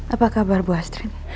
apa kabar bu astrid